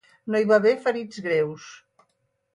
No hi va haver ferits greus.